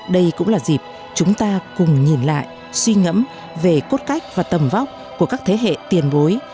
đây cũng là dịp chúng ta cùng nhìn lại suy ngẫm về cốt cách và tầm vóc của các thế hệ tiền bối